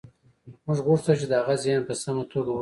موږ غوښتل چې د هغه ذهن په سمه توګه وروزو